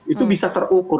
itu bisa terukur